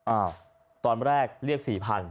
อ้าวตอนแรกเรียก๔๐๐